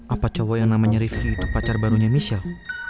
apa cowo yang namanya rivki itu pacar barunya michelle